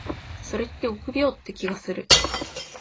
それって臆病って気がする。